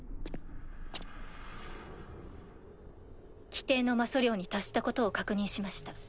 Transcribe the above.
規定の魔素量に達したことを確認しました。